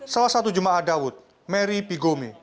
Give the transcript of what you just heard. salah satu jemaah daud mary pigome